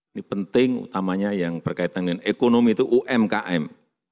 ini penting utamanya yang berkaitan dengan ekonomi itu umkm